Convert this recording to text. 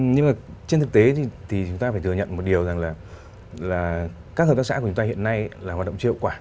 nhưng mà trên thực tế thì chúng ta phải thừa nhận một điều rằng là các hợp tác xã của chúng ta hiện nay là hoạt động chưa hiệu quả